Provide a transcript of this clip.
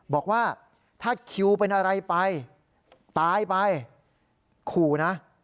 บอกว่าถ้าคิวเป็นอะไรไปตายไปขู่นะ